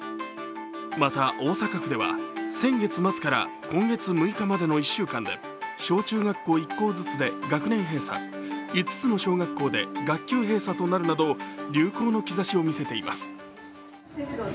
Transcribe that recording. また大阪府では、先月末から今月６日までの１週間で小・中学校１校ずつで学年閉鎖、５つの小学校で学級閉鎖となるなど流行の兆しを見せています。